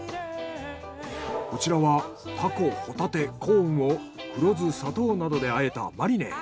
こちらはタコ・ホタテ・コーンを黒酢・砂糖などであえたマリネ。